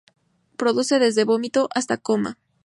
Produce desde vómito hasta coma.